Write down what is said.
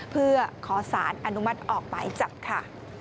เพื่อขอสารอนุมัติออกหมายจับค่ะ